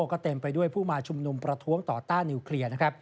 ก็เต็มไปด้วยผู้มาชุมนุมประท้วงต่อต้านนิวเคลียร์